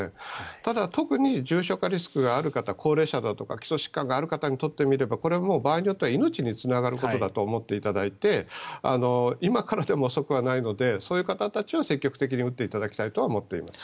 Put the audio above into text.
ただ、特に重症化リスクがある方高齢者だとか基礎疾患がある方にとってみればこれは場合によっては命につながることだと思っていただいて今からでも遅くはないのでそういう方たちは積極的に打っていただきたいとは思っています。